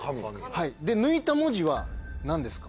はいで抜いた文字は何ですか？